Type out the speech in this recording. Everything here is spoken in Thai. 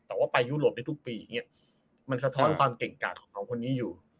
แต่ว่าไปยุโรปได้ทุกปีอย่างนี้มันสะท้อนความเก่งกาดของเขาคนนี้อยู่